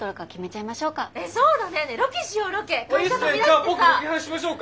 じゃあ僕ロケハンしましょうか。